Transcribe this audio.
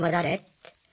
って。